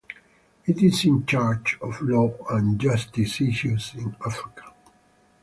It is in charge of law and justice issues in Africa.